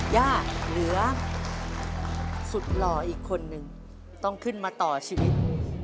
ย่าเหลือสุดหล่ออีกคนนึงต้องขึ้นมาต่อชีวิต